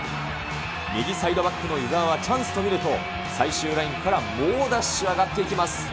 右サイドバックの湯澤はチャンスと見ると、最終ラインから猛ダッシュ、上がっていきます。